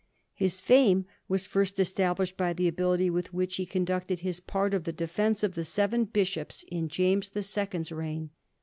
His fame was first established by the ability with which he conducted his part of the defence of the seven bishops in James the Second's reign.